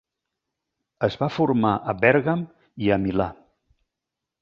Es va formar a Bèrgam i a Milà.